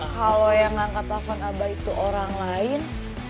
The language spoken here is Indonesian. kalau yang nangkat telfon abah itu orang lain